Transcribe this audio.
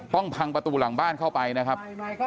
พังประตูหลังบ้านเข้าไปนะครับ